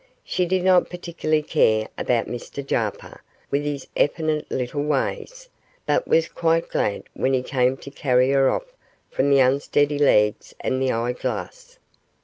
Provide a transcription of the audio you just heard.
She did not particularly care about Mr Jarper, with his effeminate little ways, but was quite glad when he came to carry her off from the unsteady legs and the eye glass.